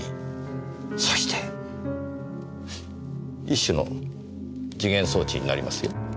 一種の時限装置になりますよ。